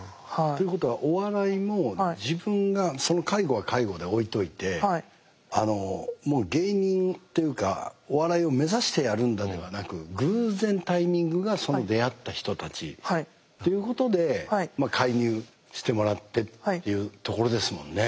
ということはお笑いも自分がその介護は介護で置いておいてもう芸人というかお笑いを目指してやるんだではなく偶然タイミングがその出会った人たちっていうことで介入してもらってっていうところですもんね。